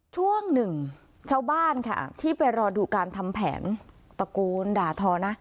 ช่วงหนึ่งชาวบ้านค่ะที่ไปรอดูการทำแผนตะโกนด่าทอนะ